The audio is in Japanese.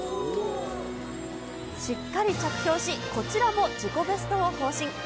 しっかり着氷し、こちらも自己ベストを更新。